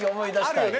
あるよね